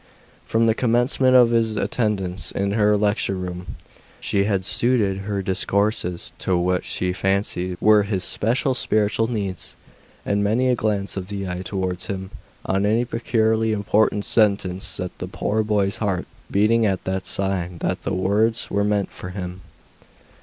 From the commencement of his attendance in her lecture room she had suited her discourses to what she fancied were his especial spiritual needs; and many a glance of the eye towards him, on any peculiarly important sentence, set the poor boy's heart beating at that sign that the words were meant for him.